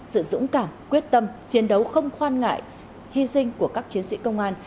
sự dũng cảm quyết tâm chiến đấu không khoan ngại hy sinh của các chiến sĩ công an